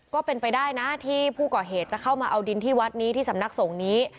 ก็เป็นไปได้นะที่ผู้ก่อเหตุจะเข้ามาเอาดินที่วัดนี้ที่สำนักสงฆ์นี้